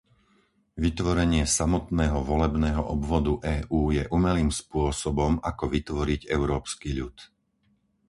Vytvorenie samotného volebného obvodu EÚ je umelým spôsobom, ako vytvoriť európsky ľud.